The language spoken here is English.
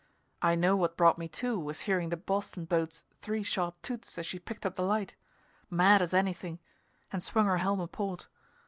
I know what brought me to was hearing the Boston boat's three sharp toots as she picked up the light mad as anything and swung her helm a port.